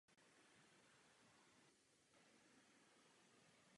Vše nejlepší euru!